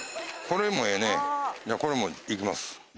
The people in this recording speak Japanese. これもええねこれも行きます。